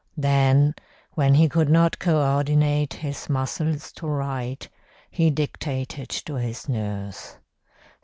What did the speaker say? Then, when he could not co ordinate his muscles to write, he dictated to his nurse.